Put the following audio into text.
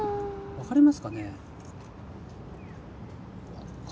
分かりますかね？